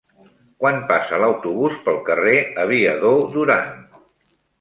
Quan passa l'autobús pel carrer Aviador Durán?